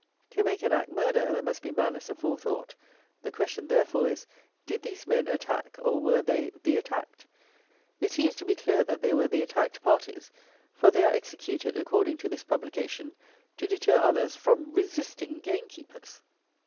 To make an act murder, there must be malice aforethought. The question, therefore, is, did these men attack, or were they the attacked? It seems to be clear that they were the attacked parties: for they are executed, according to this publication, to deter others from resisting gamekeepers!